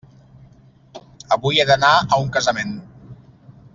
Avui he d'anar a un casament.